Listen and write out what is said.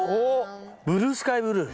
ブルースカイブルー。